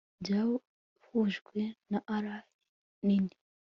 Byahujwe na array nini